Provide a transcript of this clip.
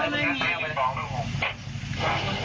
ติดเตียงได้ยินเสียงลูกสาวต้องโทรโทรศัพท์ไปหาคนมาช่วย